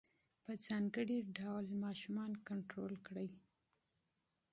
په ځانګړي ډول ماشومان کنترول کړي.